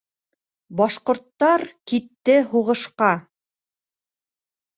- Башкорттар китте һуғышҡа